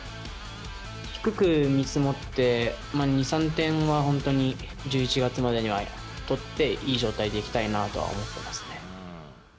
低く見積もって２、３点は本当に、１１月までには取って、いい状態でいきたいなとは思ってますね。